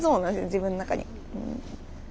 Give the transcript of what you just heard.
自分の中に。